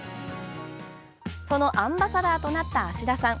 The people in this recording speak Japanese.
そのアンバサダーとなった芦田さん。